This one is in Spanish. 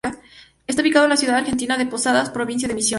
Está ubicado en la ciudad argentina de Posadas, Provincia de Misiones.